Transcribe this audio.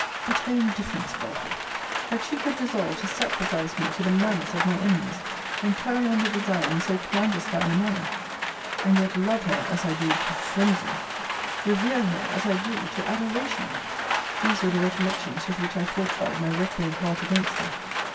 But her indifference, Belford! That she could resolve to sacrifice me to the malice of my enemies; and carry on the design in so clandestine a manner and yet love her, as I do, to phrensy! revere her, as I do, to adoration! These were the recollections with which I fortified my recreant heart against her!